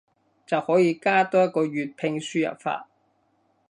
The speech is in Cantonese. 就可以加多一個粵拼輸入法